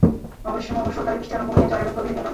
অবশেষে মুষলধারে বৃষ্টি আরম্ভ হইয়া ঝড়ের বেগ কমিয়া গেল।